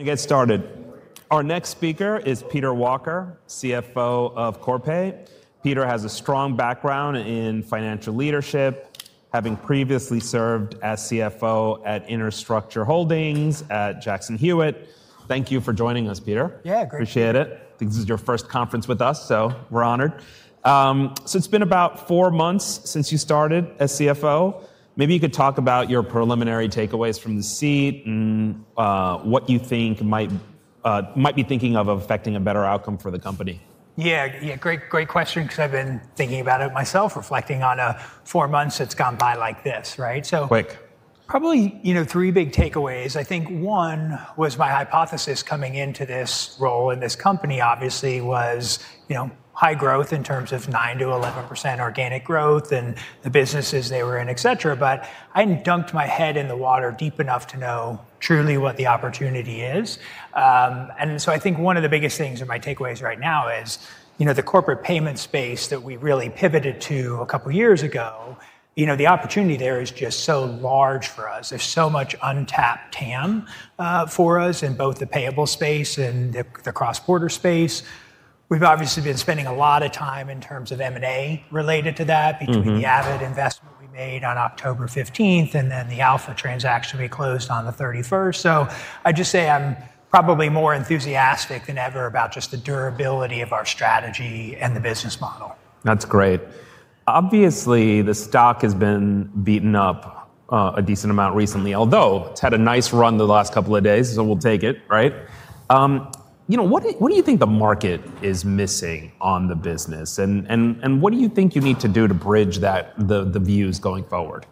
Let me get started. Our next speaker is Peter Walker, CFO of Corpay. Peter has a strong background in financial leadership, having previously served as CFO at Innerstructure Holdings at Jackson Hewitt. Thank you for joining us, Peter. Yeah, great. Appreciate it. This is your first conference with us, so we're honored. It has been about four months since you started as CFO. Maybe you could talk about your preliminary takeaways from the seat and what you think might be thinking of affecting a better outcome for the company. Yeah, yeah, great, great question, because I've been thinking about it myself, reflecting on four months that's gone by like this, right? Quick. Probably three big takeaways. I think one was my hypothesis coming into this role in this company, obviously, was high growth in terms of 9%-11% organic growth and the businesses they were in, et cetera. But I had not dunked my head in the water deep enough to know truly what the opportunity is. I think one of the biggest things in my takeaways right now is the corporate payment space that we really pivoted to a couple of years ago. The opportunity there is just so large for us. There is so much untapped TAM for us in both the payable space and the Cross-Border space. We have obviously been spending a lot of time in terms of M&A related to that, between the AvidXchange investment we made on October 15 and then the Alpha Group transaction we closed on the 31st. I'd just say I'm probably more enthusiastic than ever about just the durability of our strategy and the business model. That's great. Obviously, the stock has been beaten up a decent amount recently, although it's had a nice run the last couple of days, so we'll take it, right? What do you think the market is missing on the business? What do you think you need to do to bridge the views going forward?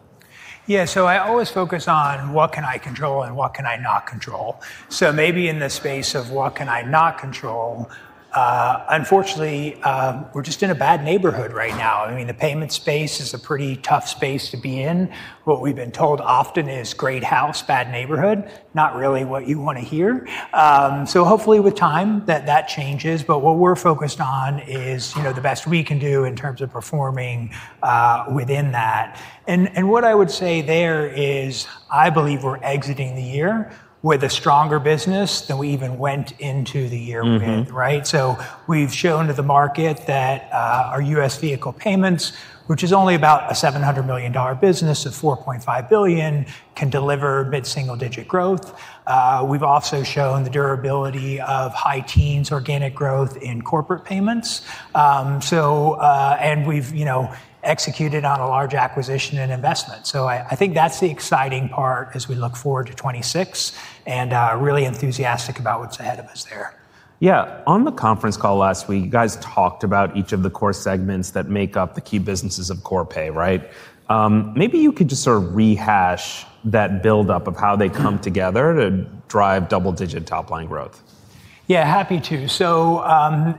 Yeah, so I always focus on what can I control and what can I not control. Maybe in the space of what can I not control, unfortunately, we're just in a bad neighborhood right now. I mean, the payment space is a pretty tough space to be in. What we've been told often is great house, bad neighborhood, not really what you want to hear. Hopefully with time that changes. What we're focused on is the best we can do in terms of performing within that. What I would say there is I believe we're exiting the year with a stronger business than we even went into the year with, right? We've shown to the market that our U.S. vehicle payments, which is only about a $700 million business of $4.5 billion, can deliver mid-single-digit growth. We have also shown the durability of high teens organic growth in corporate payments. We have executed on a large acquisition and investment. I think that is the exciting part as we look forward to 2026 and really enthusiastic about what is ahead of us there. Yeah, on the conference call last week, you guys talked about each of the core segments that make up the key businesses of Corpay, right? Maybe you could just sort of rehash that buildup of how they come together to drive double-digit top-line growth. Yeah, happy to.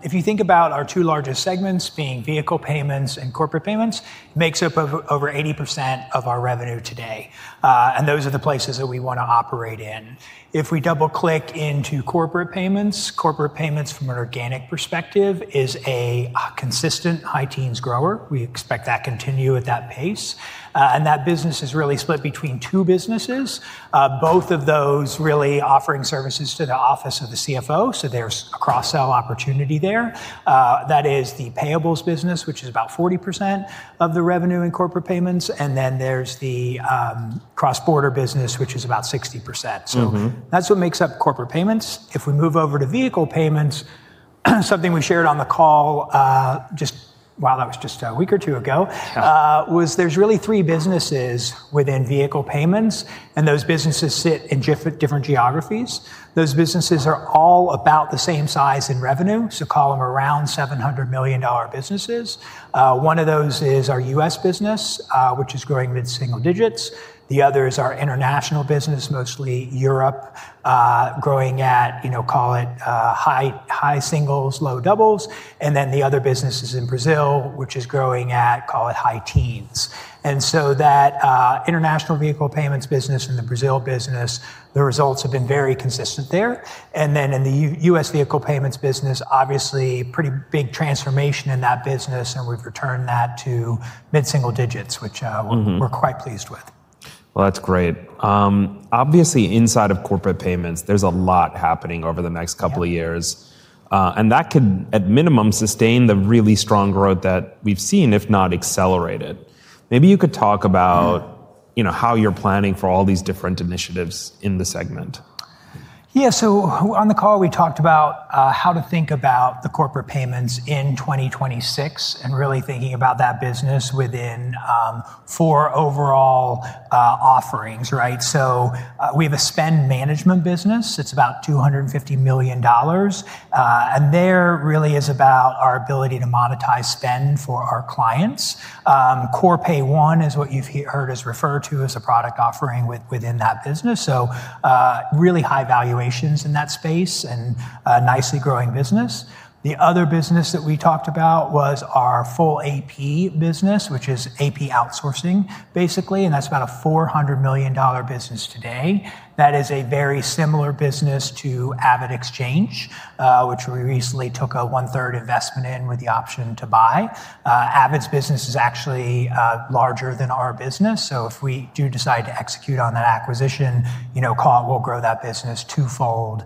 If you think about our two largest segments being Vehicle payments and Corporate payments, it makes up over 80% of our revenue today. Those are the places that we want to operate in. If we double-click into corporate payments, corporate payments from an organic perspective is a consistent high teens grower. We expect that to continue at that pace. That business is really split between two businesses, both of those really offering services to the office of the CFO. There is a cross-sell opportunity there. That is the Payables business, which is about 40% of the revenue in corporate payments. Then there is the Cross-Border business, which is about 60%. That is what makes up Corporate payments. If we move over to Vehicle payments, something we shared on the call just, wow, that was just a week or two ago, was there's really three businesses within vehicle payments. Those businesses sit in different geographies. Those businesses are all about the same size in revenue. So call them around $700 million businesses. One of those is our U.S. business, which is growing mid-single digits. The other is our international business, mostly Europe, growing at, call it high-singles, low-doubles. The other business is in Brazil, which is growing at, call it high teens. That International Vehicle payments business and the Brazil business, the results have been very consistent there. In the U.S. Vehicle payments business, obviously pretty big transformation in that business. We've returned that to mid-single digits, which we're quite pleased with. Obviously, inside of corporate payments, there's a lot happening over the next couple of years. That can, at minimum, sustain the really strong growth that we've seen, if not accelerate it. Maybe you could talk about how you're planning for all these different initiatives in the segment? Yeah, so on the call, we talked about how to think about the corporate payments in 2026 and really thinking about that business within four overall offerings, right? We have a spend management business. It's about $250 million. There really is about our ability to monetize spend for our clients. Corpay One is what you've heard us refer to as a product offering within that business. Really high valuations in that space and a nicely growing business. The other business that we talked about was our full AP business, which is AP outsourcing, basically. That's about a $400 million business today. That is a very similar business to AvidXchange, which we recently took a one-third investment in with the option to buy. Avid's business is actually larger than our business. If we do decide to execute on that acquisition, we'll grow that business twofold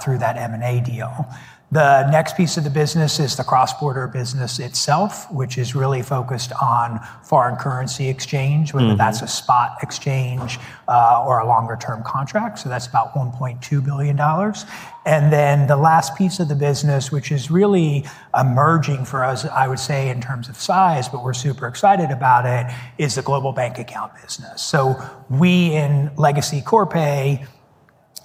through that M&A deal. The next piece of the business is the Cross-Border business itself, which is really focused on foreign currency exchange, whether that's a spot exchange or a longer-term contract. That is about $1.2 billion. The last piece of the business, which is really emerging for us, I would say, in terms of size, but we're super excited about it, is the global bank account business. We in legacy Corpay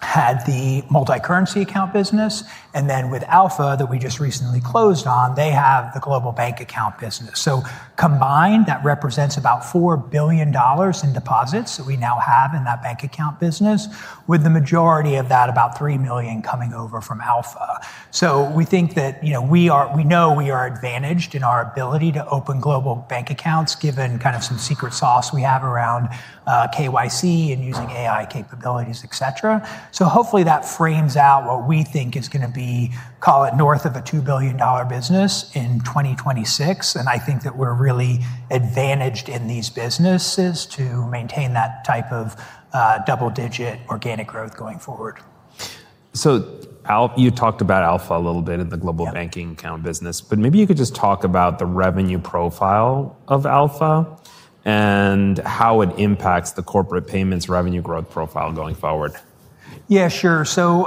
had the multi-currency account business. With Alpha, that we just recently closed on, they have the global bank account business. Combined, that represents about $4 billion in deposits that we now have in that bank account business, with the majority of that, about $3 billion, coming over from Alpha. We think that we know we are advantaged in our ability to open global bank accounts, given kind of some secret sauce we have around KYC and using AI capabilities, et cetera. Hopefully that frames out what we think is going to be, call it north of a $2 billion business in 2026. I think that we're really advantaged in these businesses to maintain that type of double-digit organic growth going forward. You talked about Alpha a little bit in the global bank account business. Maybe you could just talk about the revenue profile of Alpha and how it impacts the corporate payments revenue growth profile going forward. Yeah, sure. So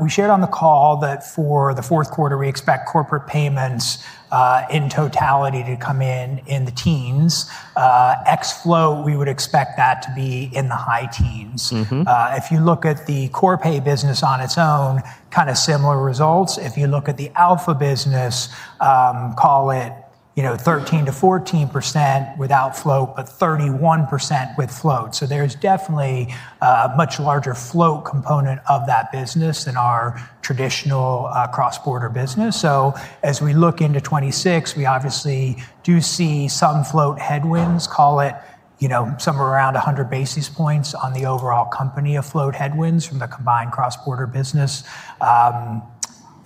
we shared on the call that for the fourth quarter, we expect corporate payments in totality to come in in the teens. Ex-float, we would expect that to be in the high teens. If you look at the Corpay business on its own, kind of similar results. If you look at the Alpha business, call it 13%-14% without float, but 31% with float. There is definitely a much larger float component of that business than our traditional Cross-Border business. As we look into 2026, we obviously do see some float headwinds, call it somewhere around 100 basis points on the overall company of float headwinds from the combined Cross-Border business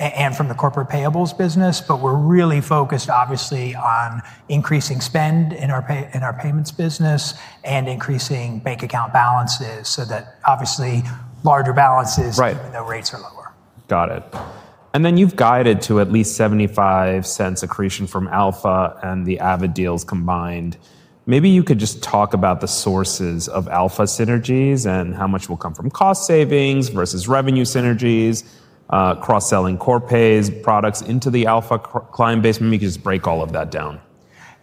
and from the corporate payables business. We are really focused, obviously, on increasing spend in our payments business and increasing bank account balances so that obviously larger balances even though rates are lower. Got it. You have guided to at least $0.75 accretion from Alpha and the Avid deals combined. Maybe you could just talk about the sources of Alpha synergies and how much will come from cost savings versus revenue synergies, cross-selling Corpay's products into the Alpha client base. Maybe you could just break all of that down.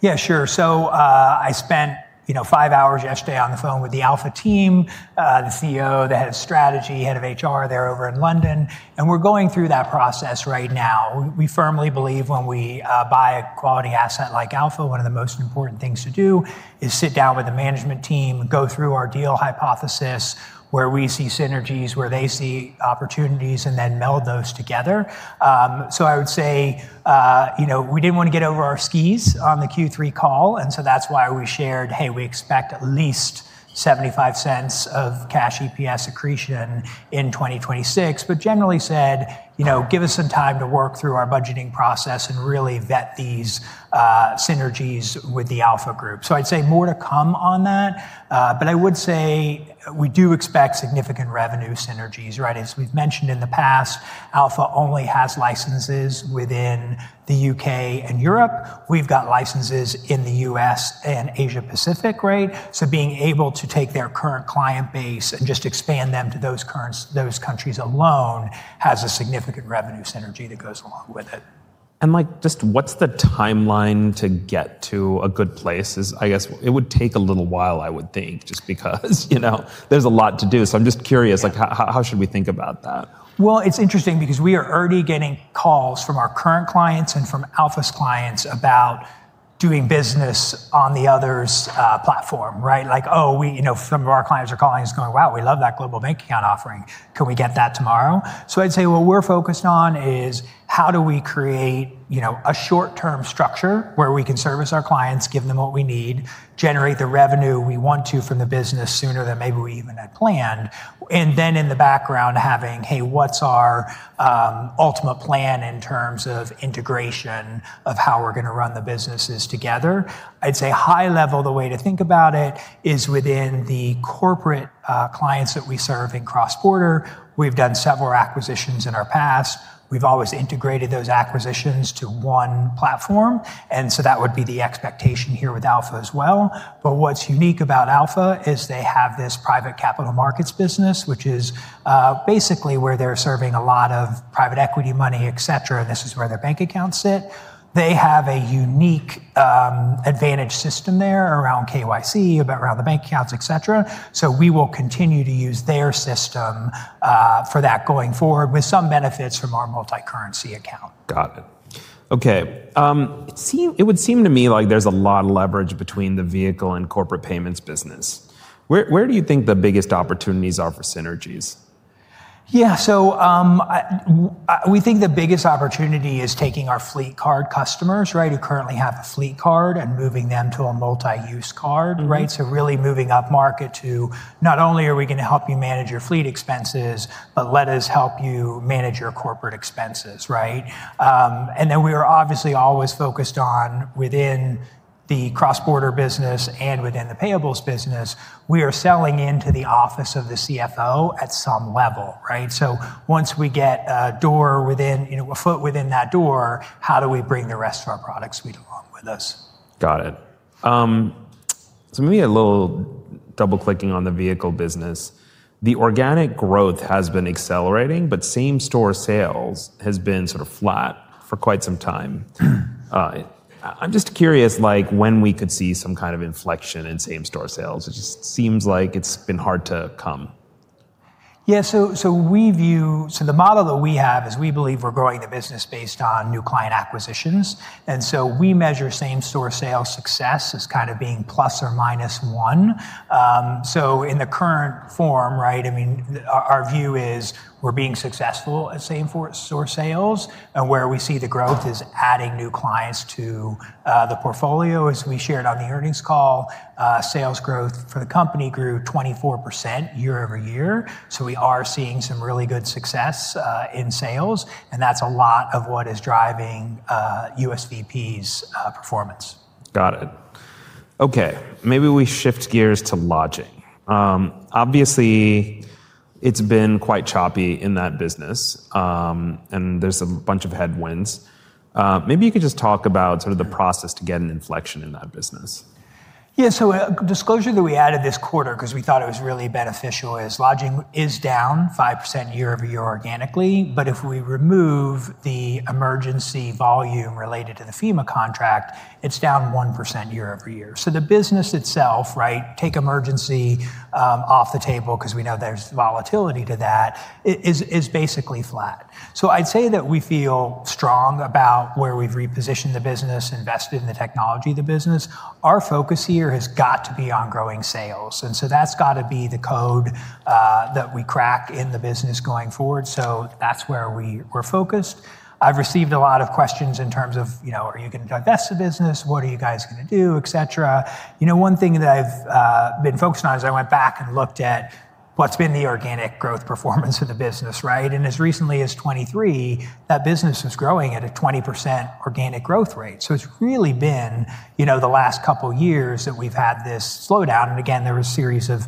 Yeah, sure. I spent five hours yesterday on the phone with the Alpha team, the CEO, the Head of Strategy, Head of HR there over in London. We're going through that process right now. We firmly believe when we buy a quality asset like Alpha, one of the most important things to do is sit down with the management team, go through our deal hypothesis where we see synergies, where they see opportunities, and then meld those together. I would say we did not want to get over our skis on the Q3 call. That is why we shared, hey, we expect at least $0.75 of cash EPS accretion in 2026, but generally said, give us some time to work through our budgeting process and really vet these synergies with the Alpha group. I would say more to come on that. I would say we do expect significant revenue synergies, right? As we've mentioned in the past, Alpha only has licenses within the U.K. and Europe. We've got licenses in the U.S. and Asia-Pacific, right? Being able to take their current client base and just expand them to those countries alone has a significant revenue synergy that goes along with it. What's the timeline to get to a good place? I guess it would take a little while, I would think, just because there's a lot to do. I'm just curious, how should we think about that? It's interesting because we are already getting calls from our current clients and from Alpha's clients about doing business on the other's platform, right? Like, oh, some of our clients are calling us going, wow, we love that global bank account offering. Can we get that tomorrow? I'd say what we're focused on is how do we create a short-term structure where we can service our clients, give them what we need, generate the revenue we want to from the business sooner than maybe we even had planned, and then in the background having, hey, what's our ultimate plan in terms of integration of how we're going to run the businesses together? I'd say high level, the way to think about it is within the corporate clients that we serve in Cross-Border. We've done several acquisitions in our past. We've always integrated those acquisitions to one platform. That would be the expectation here with Alpha as well. What's unique about Alpha is they have this private capital markets business, which is basically where they're serving a lot of private equity money, et cetera. This is where their bank accounts sit. They have a unique advantage system there around KYC, around the bank accounts, et cetera. We will continue to use their system for that going forward with some benefits from our multi-currency account. Got it. Okay. It would seem to me like there's a lot of leverage between the vehicle and corporate payments business. Where do you think the biggest opportunities are for synergies? Yeah, so we think the biggest opportunity is taking our fleet card customers, right, who currently have a fleet card and moving them to a multi-use card, right? Really moving up market to not only are we going to help you manage your fleet expenses, but let us help you manage your corporate expenses, right? We are obviously always focused on within the Cross-Border business and within the payables business, we are selling into the office of the CFO at some level, right? Once we get a foot within that door, how do we bring the rest of our product suite along with us? Got it. Maybe a little double-clicking on the Vehicle business. The organic growth has been accelerating, but same-store sales has been sort of flat for quite some time. I'm just curious when we could see some kind of inflection in same-store sales. It just seems like it's been hard to come. Yeah, so we view, so the model that we have is we believe we're growing the business based on new client acquisitions. We measure same-store sales success as kind of being ±1. In the current form, right, I mean, our view is we're being successful at same-store sales. Where we see the growth is adding new clients to the portfolio. As we shared on the earnings call, sales growth for the company grew 24% year-over-year. We are seeing some really good success in sales. That's a lot of what is driving USVP's performance. Got it. Okay. Maybe we shift gears to lodging. Obviously, it's been quite choppy in that business. And there's a bunch of headwinds. Maybe you could just talk about sort of the process to get an inflection in that business. Yeah, so disclosure that we added this quarter because we thought it was really beneficial is lodging is down 5% year-over-year organically. If we remove the emergency volume related to the FEMA contract, it is down 1% year-over-year. The business itself, right, take emergency off the table because we know there is volatility to that, is basically flat. I would say that we feel strong about where we have repositioned the business, invested in the technology of the business. Our focus here has got to be on growing sales. That has got to be the code that we crack in the business going forward. That is where we are focused. I have received a lot of questions in terms of, are you going to divest the business? What are you guys going to do? Et cetera. One thing that I've been focused on is I went back and looked at what's been the organic growth performance of the business, right? As recently as 2023, that business was growing at a 20% organic growth rate. It has really been the last couple of years that we've had this slowdown. Again, there was a series of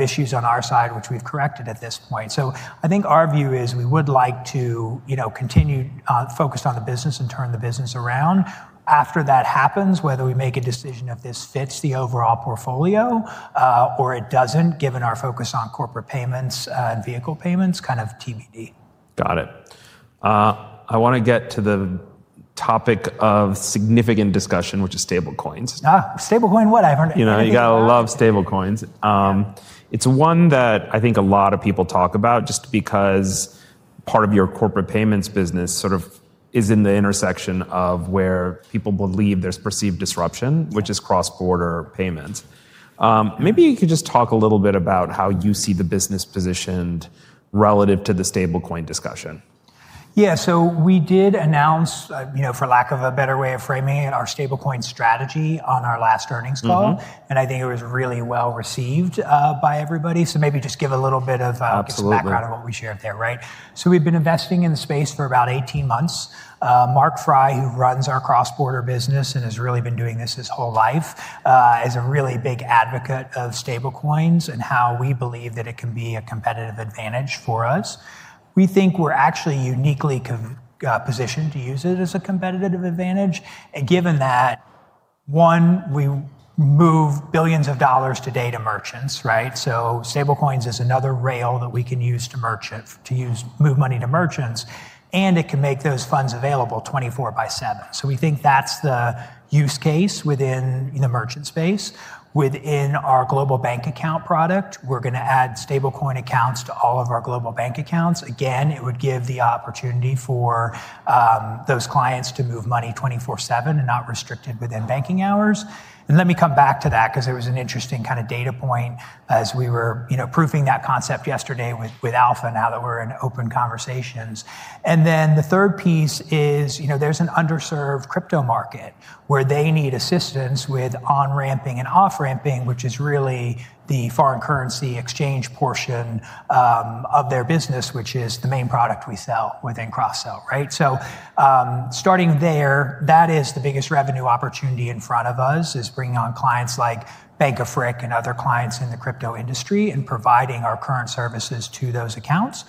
issues on our side, which we've corrected at this point. I think our view is we would like to continue focused on the business and turn the business around. After that happens, whether we make a decision if this fits the overall portfolio or it doesn't, given our focus on corporate payments and Vehicle payments, kind of TBD. Got it. I want to get to the topic of significant discussion, which is stablecoins. Stablecoin, whatever. You got to love stablecoins. It's one that I think a lot of people talk about just because part of your corporate payments business sort of is in the intersection of where people believe there's perceived disruption, which is Cross-Border payments. Maybe you could just talk a little bit about how you see the business positioned relative to the stablecoin discussion? Yeah, so we did announce, for lack of a better way of framing it, our stablecoin strategy on our last earnings call. I think it was really well received by everybody. Maybe just give a little bit of background of what we shared there, right? We've been investing in the space for about 18 months. Mark Frey, who runs our Cross-Border business and has really been doing this his whole life, is a really big advocate of stablecoins and how we believe that it can be a competitive advantage for us. We think we're actually uniquely positioned to use it as a competitive advantage. Given that, one, we move billions of dollars today to merchants, right? Stablecoins is another rail that we can use to move money to merchants. It can make those funds available 24 by 7. We think that's the use case within the merchant space. Within our global bank account product, we're going to add stablecoin accounts to all of our global bank accounts. Again, it would give the opportunity for those clients to move money 24/7 and not be restricted within banking hours. Let me come back to that because it was an interesting kind of data point as we were proving that concept yesterday with Alpha now that we're in open conversations. The third piece is there's an underserved crypto market where they need assistance with on-ramping and off-ramping, which is really the foreign currency exchange portion of their business, which is the main product we sell within Cross-Border, right? Starting there, that is the biggest revenue opportunity in front of us is bringing on clients like Bank of Frick and other clients in the crypto industry and providing our current services to those accounts.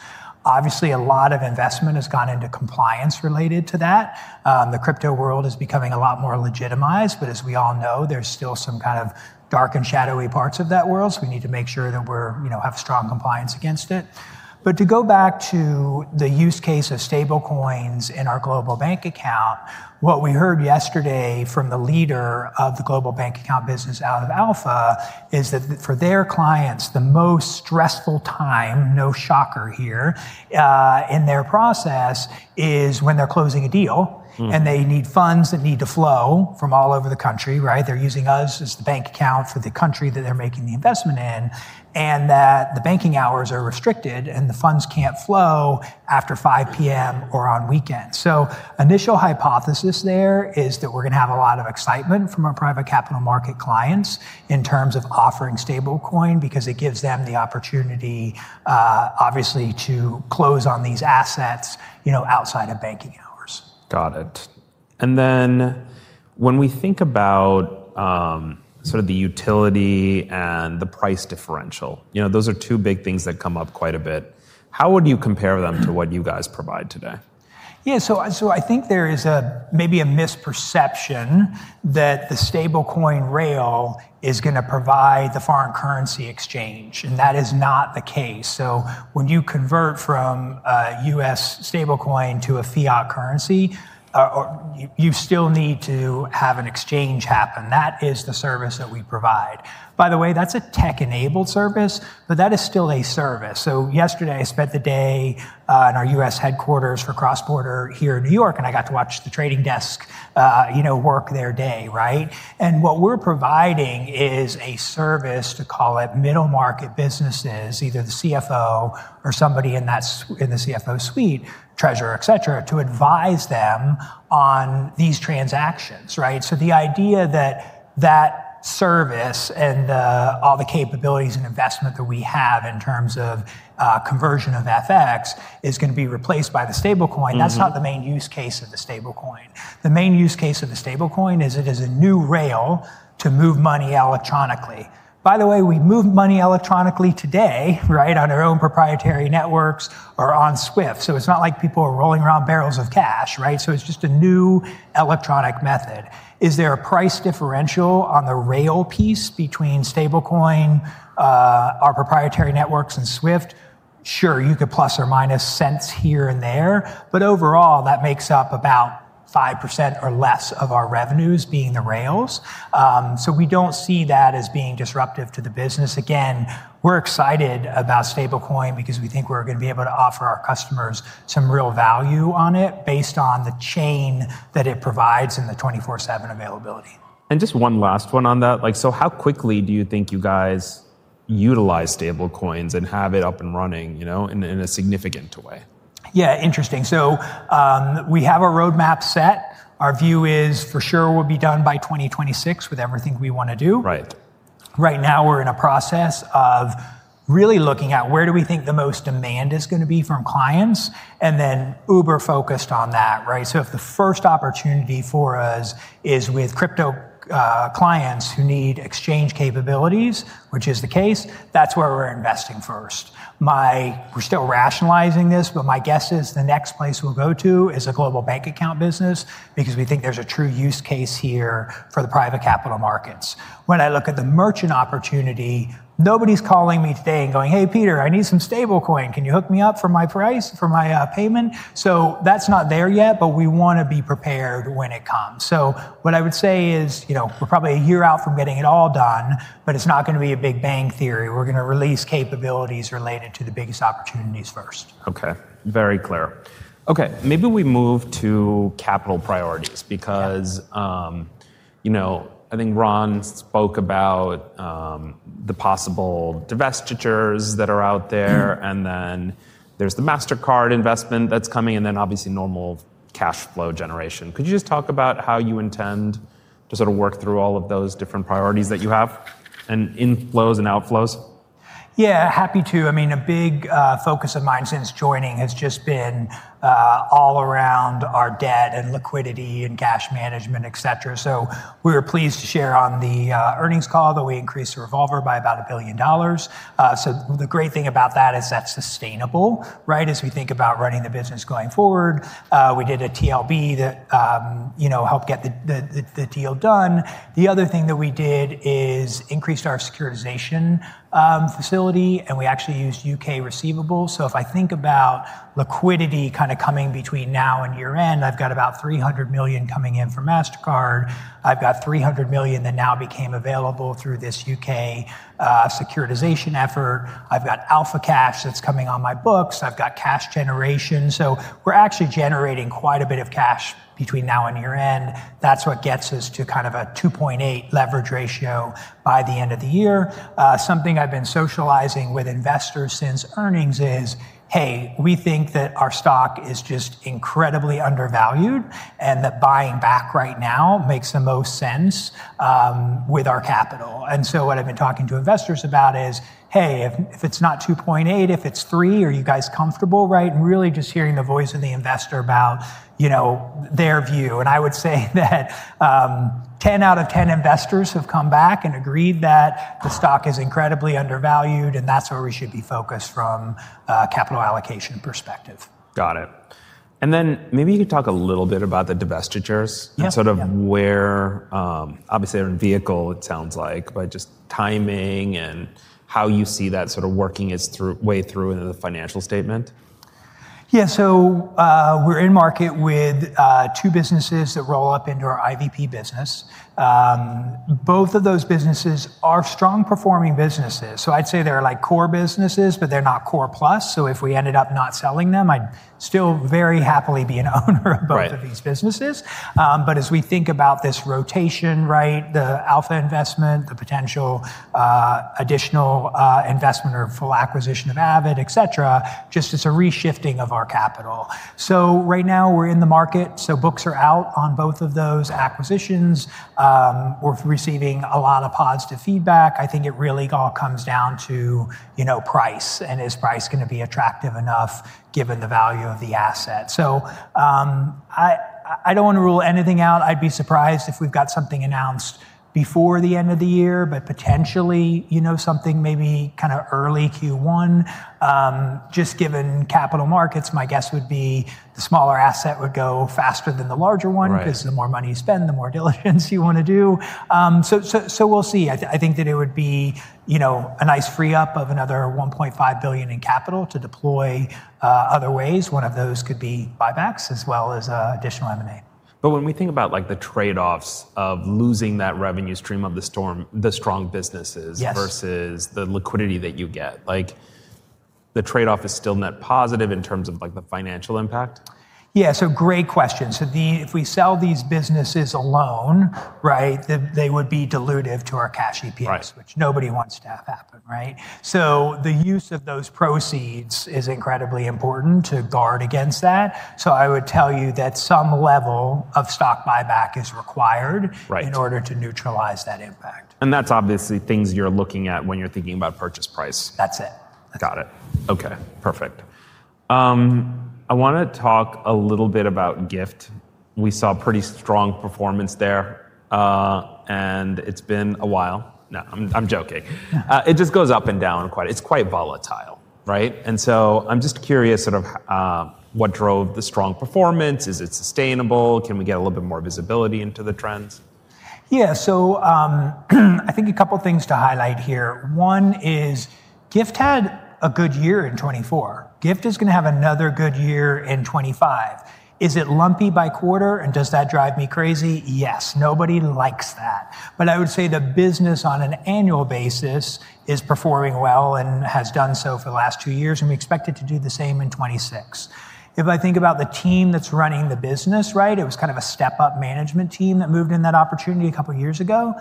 Obviously, a lot of investment has gone into compliance related to that. The crypto world is becoming a lot more legitimized. As we all know, there's still some kind of dark and shadowy parts of that world. We need to make sure that we have strong compliance against it. To go back to the use case of stablecoins in our global bank account, what we heard yesterday from the leader of the global bank account business out of Alpha is that for their clients, the most stressful time, no shocker here, in their process is when they're closing a deal and they need funds that need to flow from all over the country, right? They're using us as the bank account for the country that they're making the investment in and that the banking hours are restricted and the funds can't flow after 5:00 P.M. or on weekends. The initial hypothesis there is that we're going to have a lot of excitement from our private capital market clients in terms of offering stablecoin because it gives them the opportunity, obviously, to close on these assets outside of banking hours. Got it. When we think about sort of the utility and the price differential, those are two big things that come up quite a bit. How would you compare them to what you guys provide today? Yeah, so I think there is maybe a misperception that the stablecoin rail is going to provide the foreign currency exchange. That is not the case. When you convert from US stablecoin to a FIAT currency, you still need to have an exchange happen. That is the service that we provide. By the way, that is a tech-enabled service, but that is still a service. Yesterday, I spent the day in our US headquarters for Cross-Border here in New York, and I got to watch the trading desk work their day, right? What we are providing is a service to call it middle market businesses, either the CFO or somebody in the CFO suite, treasurer, et cetera, to advise them on these transactions, right? The idea that that service and all the capabilities and investment that we have in terms of conversion of FX is going to be replaced by the stablecoin, that's not the main use case of the stablecoin. The main use case of the stablecoin is it is a new rail to move money electronically. By the way, we move money electronically today, right, on our own proprietary networks or on SWIFT. It's not like people are rolling around barrels of cash, right? It's just a new electronic method. Is there a price differential on the rail piece between stablecoin, our proprietary networks, and SWIFT? Sure, you could ± cents here and there. Overall, that makes up about 5% or less of our revenues being the rails. We do not see that as being disruptive to the business. Again, we're excited about stablecoin because we think we're going to be able to offer our customers some real value on it based on the chain that it provides and the 24/7 availability. Just one last one on that. How quickly do you think you guys utilize stablecoins and have it up and running in a significant way? Yeah, interesting. We have a roadmap set. Our view is for sure we'll be done by 2026 with everything we want to do. Right now, we're in a process of really looking at where do we think the most demand is going to be from clients and then uber-focused on that, right? If the first opportunity for us is with crypto clients who need exchange capabilities, which is the case, that's where we're investing first. We're still rationalizing this, but my guess is the next place we'll go to is a global bank account business because we think there's a true use case here for the private capital markets. When I look at the merchant opportunity, nobody's calling me today and going, "Hey, Peter, I need some stablecoin. Can you hook me up for my price, for my payment?" That is not there yet, but we want to be prepared when it comes. What I would say is we are probably a year out from getting it all done, but it is not going to be a big bang theory. We are going to release capabilities related to the biggest opportunities first. Okay, very clear. Okay, maybe we move to capital priorities because I think Ron spoke about the possible divestitures that are out there. Then there's the Mastercard investment that's coming and then obviously normal cash flow generation. Could you just talk about how you intend to sort of work through all of those different priorities that you have and inflows and outflows? Yeah, happy to. I mean, a big focus of mine since joining has just been all around our debt and liquidity and cash management, et cetera. We were pleased to share on the earnings call that we increased the revolver by about $1 billion. The great thing about that is that's sustainable, right? As we think about running the business going forward, we did a TLB that helped get the deal done. The other thing that we did is increased our securitization facility and we actually used U.K. receivables. If I think about liquidity kind of coming between now and year-end, I've got about $300 million coming in from Mastercard. I've got $300 million that now became available through this U.K. securitization effort. I've got Alpha cash that's coming on my books. I've got cash generation. We're actually generating quite a bit of cash between now and year-end. That's what gets us to kind of a 2.8 leverage ratio by the end of the year. Something I've been socializing with investors since earnings is, "Hey, we think that our stock is just incredibly undervalued and that buying back right now makes the most sense with our capital." What I've been talking to investors about is, "Hey, if it's not 2.8, if it's 3, are you guys comfortable, right?" Really just hearing the voice of the investor about their view. I would say that 10 out of 10 investors have come back and agreed that the stock is incredibly undervalued and that's where we should be focused from a capital allocation perspective. Got it. Maybe you could talk a little bit about the divestitures and sort of where, obviously they're in vehicle, it sounds like, but just timing and how you see that sort of working its way through into the financial statement. Yeah, so we're in market with two businesses that roll up into our IVP business. Both of those businesses are strong performing businesses. I'd say they're like core businesses, but they're not core plus. If we ended up not selling them, I'd still very happily be an owner of both of these businesses. As we think about this rotation, right, the Alpha investment, the potential additional investment or full acquisition of Avid, et cetera, it's just a reshifting of our capital. Right now we're in the market. Books are out on both of those acquisitions. We're receiving a lot of positive feedback. I think it really all comes down to price and is price going to be attractive enough given the value of the asset. I don't want to rule anything out. I'd be surprised if we've got something announced before the end of the year, but potentially something maybe kind of early Q1. Just given capital markets, my guess would be the smaller asset would go faster than the larger one because the more money you spend, the more diligence you want to do. We'll see. I think that it would be a nice free-up of another $1.5 billion in capital to deploy other ways. One of those could be buybacks as well as additional M&A. When we think about the trade-offs of losing that revenue stream of the strong businesses versus the liquidity that you get, the trade-off is still net positive in terms of the financial impact? Yeah, so great question. If we sell these businesses alone, right, they would be dilutive to our cash EPS, which nobody wants to have happen, right? The use of those proceeds is incredibly important to guard against that. I would tell you that some level of stock buyback is required in order to neutralize that impact. That is obviously things you're looking at when you're thinking about purchase price. That's it. Got it. Okay, perfect. I want to talk a little bit about Gift. We saw pretty strong performance there. It's been a while. No, I'm joking. It just goes up and down quite a bit. It's quite volatile, right? I'm just curious sort of what drove the strong performance. Is it sustainable? Can we get a little bit more visibility into the trends? Yeah, so I think a couple of things to highlight here. One is Gift had a good year in 2024. Gift is going to have another good year in 2025. Is it lumpy by quarter and does that drive me crazy? Yes, nobody likes that. I would say the business on an annual basis is performing well and has done so for the last two years. We expect it to do the same in 2026. If I think about the team that's running the business, right, it was kind of a step-up management team that moved in that opportunity a couple of years ago.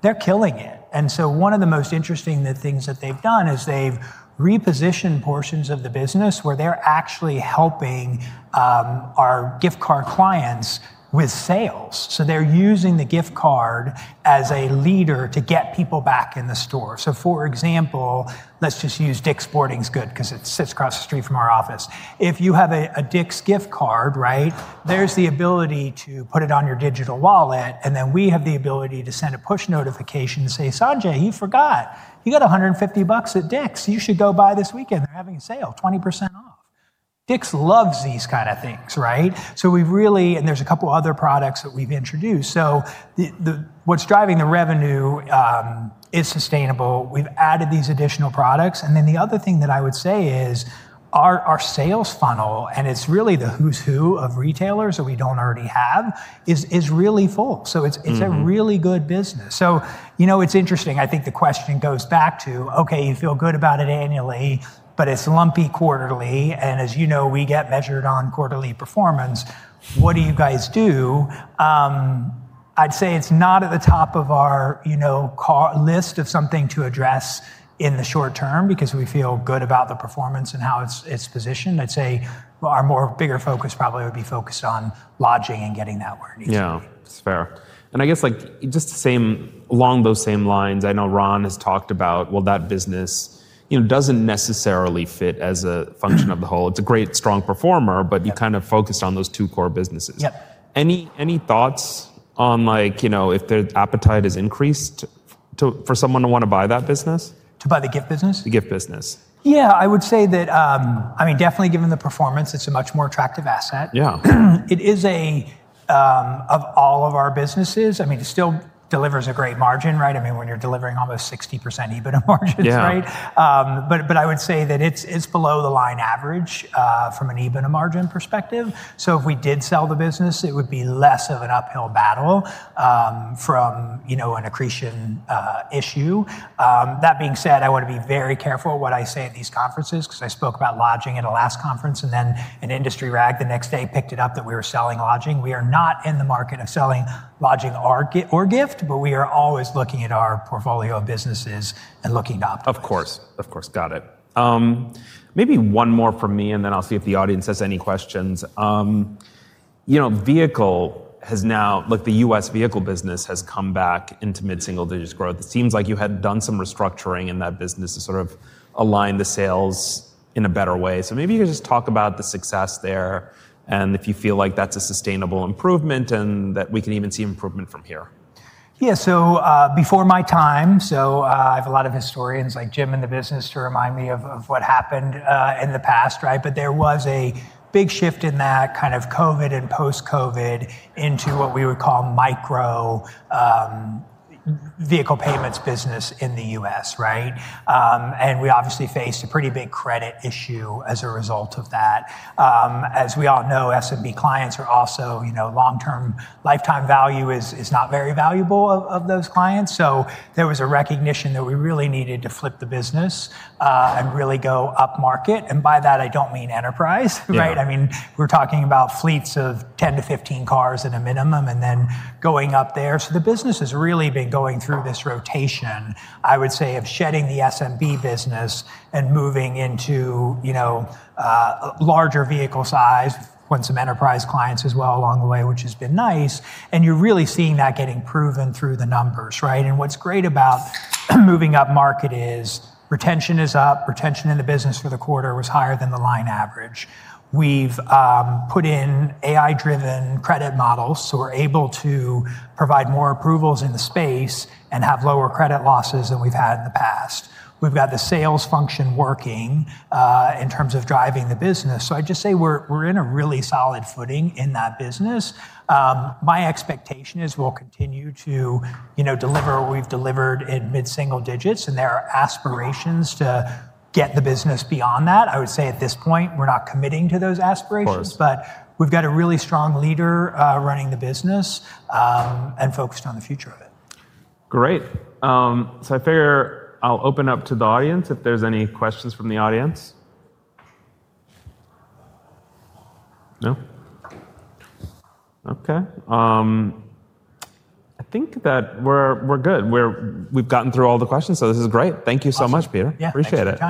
They're killing it. One of the most interesting things that they've done is they've repositioned portions of the business where they're actually helping our gift card clients with sales. They're using the gift card as a leader to get people back in the store. For example, let's just use Dick's Sporting Goods because it sits across the street from our office. If you have a Dick's gift card, right, there's the ability to put it on your digital wallet. We have the ability to send a push notification to say, "Sanjay, you forgot. You got $150 at Dick's. You should go buy this weekend. They're having a sale, 20% off." Dick's loves these kinds of things, right? We've really, and there's a couple of other products that we've introduced. What's driving the revenue is sustainable. We've added these additional products. The other thing that I would say is our sales funnel, and it's really the who's who of retailers that we don't already have, is really full. It's a really good business. It's interesting. I think the question goes back to, okay, you feel good about it annually, but it's lumpy quarterly. As you know, we get measured on quarterly performance. What do you guys do? I'd say it's not at the top of our list of something to address in the short term because we feel good about the performance and how it's positioned. I'd say our bigger focus probably would be focused on lodging and getting that where it needs to be. Yeah, that's fair. I guess just along those same lines, I know Ron has talked about, well, that business doesn't necessarily fit as a function of the whole. It's a great strong performer, but you kind of focused on those two core businesses. Any thoughts on if the appetite has increased for someone to want to buy that business? To buy the Gift business? The Gift business. Yeah, I would say that, I mean, definitely given the performance, it's a much more attractive asset. Yeah, it is a, of all of our businesses, I mean, it still delivers a great margin, right? I mean, when you're delivering almost 60% EBITDA margins, right? I would say that it's below the line average from an EBITDA margin perspective. If we did sell the business, it would be less of an uphill battle from an accretion issue. That being said, I want to be very careful what I say at these conferences because I spoke about lodging at a last conference and then an industry rag the next day picked it up that we were selling lodging. We are not in the market of selling lodging or Gift, but we are always looking at our portfolio of businesses and looking to optimize. Of course, of course. Got it. Maybe one more for me and then I'll see if the audience has any questions. Vehicle has now, like the US Vehicle business has come back into mid-single digits growth. It seems like you had done some restructuring in that business to sort of align the sales in a better way. Maybe you could just talk about the success there and if you feel like that's a sustainable improvement and that we can even see improvement from here. Yeah, so before my time, so I have a lot of historians like Jim in the business to remind me of what happened in the past, right? There was a big shift in that kind of COVID and post-COVID into what we would call micro-vehicle payments business in the US, right? We obviously faced a pretty big credit issue as a result of that. As we all know, S&B clients are also long-term lifetime value is not very valuable of those clients. There was a recognition that we really needed to flip the business and really go up market. By that, I do not mean enterprise, right? I mean, we are talking about fleets of 10 to 15 cars at a minimum and then going up there. The business has really been going through this rotation, I would say, of shedding the S&B business and moving into a larger vehicle size, once some enterprise clients as well along the way, which has been nice. You're really seeing that getting proven through the numbers, right? What's great about moving up market is retention is up. Retention in the business for the quarter was higher than the line average. We've put in AI-driven credit models. We're able to provide more approvals in the space and have lower credit losses than we've had in the past. We've got the sales function working in terms of driving the business. I'd just say we're in a really solid footing in that business. My expectation is we'll continue to deliver what we've delivered in mid-single digits. There are aspirations to get the business beyond that. I would say at this point, we're not committing to those aspirations, but we've got a really strong leader running the business and focused on the future of it. Great. I figure I'll open up to the audience if there's any questions from the audience. No? Okay. I think that we're good. We've gotten through all the questions. This is great. Thank you so much, Peter. Appreciate it.